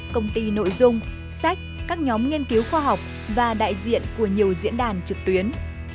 công ty nội dung sách các nhóm nghiên cứu khoa học và đại diện của nhiều diễn đàn trực tuyến